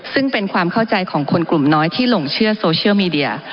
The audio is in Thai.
ซึ่งเป็นความเข้าใจของคนกลุ่มน้อยที่หลงเชื่อโซเชียลมีเดีย